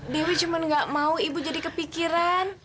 dewi cuma gak mau ibu jadi kepikiran